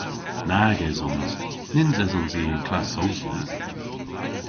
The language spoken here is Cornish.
Nag esons. Nyns esons i y'n klass Sowsnek.